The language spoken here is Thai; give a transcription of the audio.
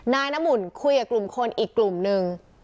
นายน้ำอุ่นคุยกับกลุ่มคนอีกกลุ่มนึง